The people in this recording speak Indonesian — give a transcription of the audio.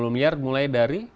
dua puluh miliar mulai dari